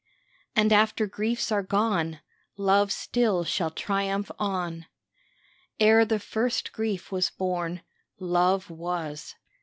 And after griefs are gone Love still shall triumph on. Ere the first grief was born Love was.